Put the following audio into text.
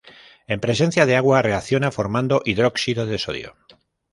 En presencia de agua reacciona formando hidróxido de sodio.